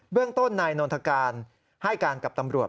เรื่องต้นนายนนทการให้การกับตำรวจ